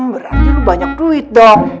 berarti lu banyak duit dong